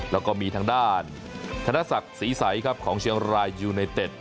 แล้วก็มีทางด้านธนศักดิ์ศรีใสครับของเชียงรายยูไนเต็ด